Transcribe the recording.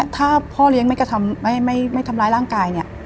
ถ้าพ่อเลี้ยงไม่ทำร้ายร่างกาย